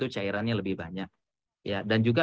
cairannya lebih banyak ya dan juga